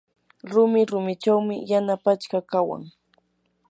rumi rumichawmi yana pachka kawan.